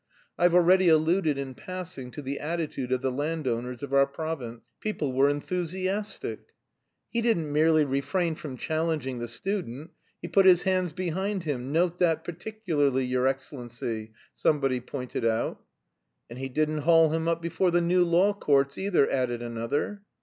I've already alluded in passing to the attitude of the landowners of our province. People were enthusiastic: "He didn't merely refrain from challenging the student. He put his hands behind him, note that particularly, your excellency," somebody pointed out. "And he didn't haul him up before the new law courts, either," added another.